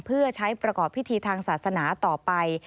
เพื่อใช้ประกอบพิธีทางศาสนาต่อไป